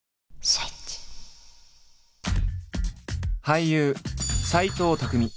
俳優・斎藤工